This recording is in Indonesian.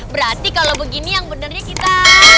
berarti kalau begini yang benarnya kita